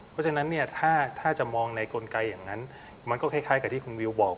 เพราะฉะนั้นเนี่ยถ้าจะมองในกลไกอย่างนั้นมันก็คล้ายกับที่คุณวิวบอก